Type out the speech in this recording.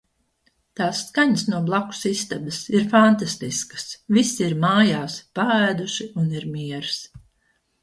Tās skaņas no blakus istabas ir fantastiskas. Visi ir mājās, paēduši un ir miers.